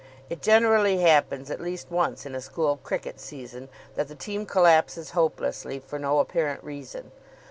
It generally happens at least once in a school cricket season that the team collapses hopelessly, for no apparent reason.